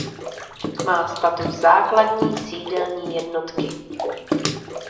Má status základní sídelní jednotky.